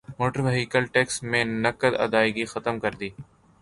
motor vehicle tax میں نقد ادائیگی ختم کردی